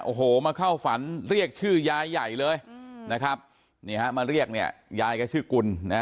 โอ้โหมาเข้าฝันเรียกชื่อยายใหญ่เลยนะครับนี่ฮะมาเรียกเนี่ยยายก็ชื่อกุลนะ